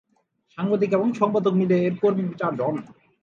সাংবাদিক এবং সম্পাদক মিলে এর কর্মী চারজন।